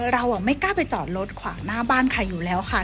เราไม่กล้าไปจอดรถขวางหน้าบ้านใครอยู่แล้วค่ะ